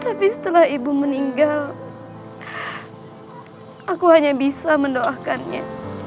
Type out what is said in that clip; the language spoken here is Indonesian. tapi setelah ibu meninggal aku hanya bisa mendoakannya